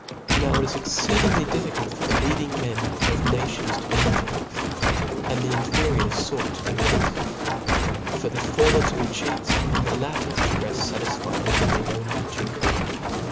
Now it is exceeding difficult for the leading men of the nation to be knaves, and the inferior fort to be honeft ; for the former to be cheats^ and the latter to reft fatisfied with being on ly dupes.